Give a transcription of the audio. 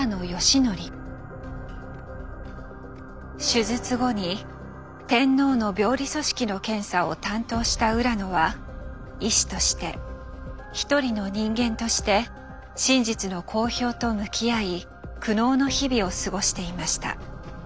手術後に天皇の病理組織の検査を担当した浦野は医師として一人の人間として「真実の公表」と向き合い苦悩の日々を過ごしていました。